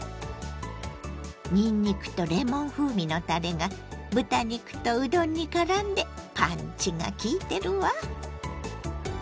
にんにくとレモン風味のたれが豚肉とうどんにからんでパンチがきいてるわ！